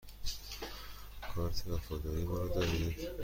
کارت وفاداری ما را دارید؟